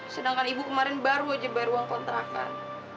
sedangkan ibu kemarin baru aja bayar uang kontrakan